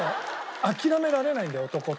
諦められないんだよ男って。